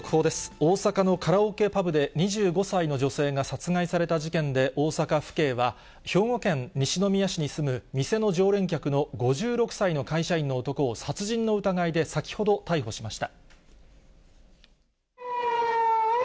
大阪のカラオケパブで２５歳の女性が殺害された事件で、大阪府警は、兵庫県西宮市に住む店の常連客の、５６歳の会社員の男を、殺人の疑いで先ほど逮捕しました。